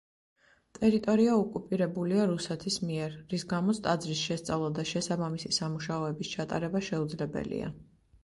ტერიტორია ოკუპირებულია რუსეთის მიერ, რის გამოც ტაძრის შესწავლა და შესაბამისი სამუშაოების ჩატარება შეუძლებელია.